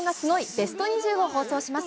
ベスト２０を放送します。